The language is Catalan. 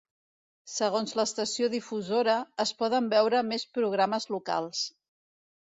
Segons l'estació difusora, es poden veure més programes locals.